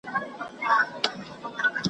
چي له ستوني دي آواز نه وي وتلی `